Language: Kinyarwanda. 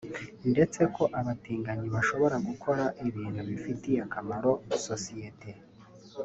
ndetse ko abatinganyi bashobora gukora ibintu bifitiye akamaro sosiyete